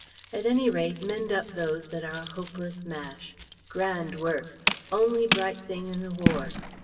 At any rate, mend up those that are a hopeless mash. Grand work! Only bright thing in the War.